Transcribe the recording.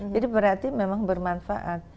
jadi berarti memang bermanfaat